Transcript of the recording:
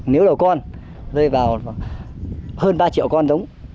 nếu đầu con rơi vào hơn ba triệu con giống